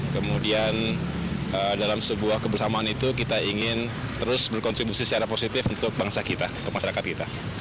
kemudian dalam sebuah kebersamaan itu kita ingin terus berkontribusi secara positif untuk bangsa kita untuk masyarakat kita